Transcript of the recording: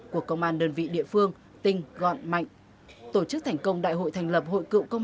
của công an đơn vị địa phương tinh gọn mạnh tổ chức thành công đại hội thành lập hội cựu công